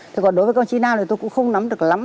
thế còn đối với công trí nam thì tôi cũng không nắm được lắm